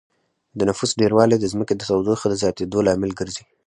د نفوس ډېروالی د ځمکې د تودوخې د زياتېدو لامل ګرځي